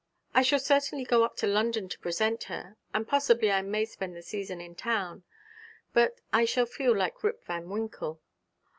'I shall certainly go up to London to present her, and possibly I may spend the season in town; but I shall feel like Rip Van Winkle.'